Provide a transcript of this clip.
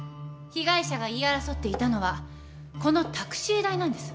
被害者が言い争っていたのはこのタクシー代なんです。